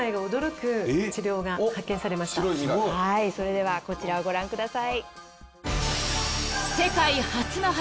それではこちらをご覧ください。